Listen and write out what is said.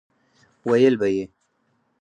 ويل به يې